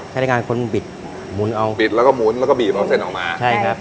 ใช้ในการคนบิดหมุนเอาบิดแล้วก็หมุนแล้วก็บีบเอาเซ็นออกมาใช่ครับ